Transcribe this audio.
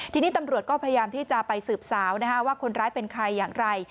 ทีนี้ตำรวจก็พยายามที่จะไปสืบสาวว่าคนร้ายเป็นใครอย่างไร